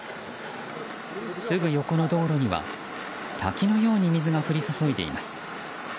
すぐ横の道路には滝のように水が降り注いでいます。